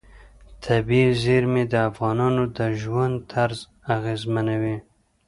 طبیعي زیرمې د افغانانو د ژوند طرز اغېزمنوي.